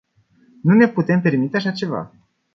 Nu ne putem permite așa ceva.